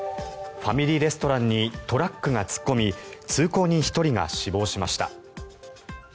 ファミリーレストランにトラックが突っ込み通行人１人が死亡しました。